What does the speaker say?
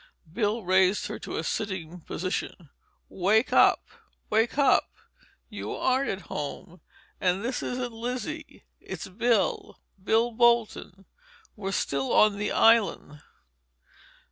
Bill raised her to a sitting position. "Wake up—wake up! You aren't at home. And this isn't Lizzie—it's Bill—Bill Bolton! We're still on the island."